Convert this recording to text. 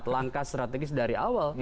langkah strategis dari awal